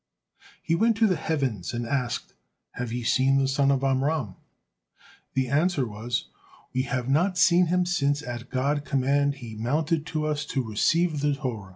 He went to the heavens and asked, "Have ye seen the son of Amram?" The answer was, "We have not seen him since at God command he mounted to us to receive the Torah."